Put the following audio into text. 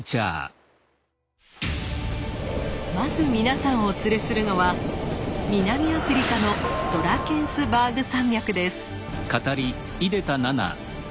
まず皆さんをお連れするのは南アフリカのドラケンスバーグ山脈です。